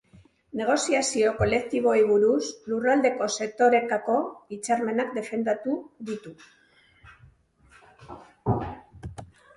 Negoziazio kolektiboei buruz, lurraldeko sektorekako hitzarmenak defendatu ditu.